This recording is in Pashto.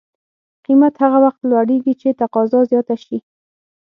قیمت هغه وخت لوړېږي چې تقاضا زیاته شي.